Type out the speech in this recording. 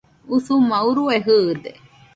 Usuma urue jɨɨde